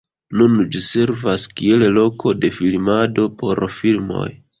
Nun ĝi servas kiel loko de filmado por filmoj.